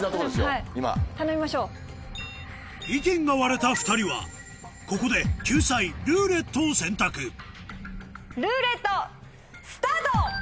意見が割れた２人はここで救済「ルーレット」を選択ルーレットスタート！